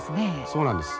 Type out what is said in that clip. そうなんです。